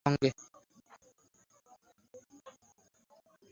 তবুও যেন কোথা থেকে পুঞ্জীভূত আলো এসে ছড়িয়ে পড়েছে সারাটা সুড়ঙ্গে।